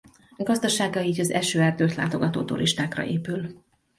Gazdasága így az esőerdőt látogató turistákra épül.